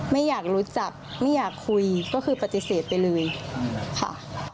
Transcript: ไม่อยากรู้จักไม่อยากคุยก็คือปฏิเสธไปเลยค่ะ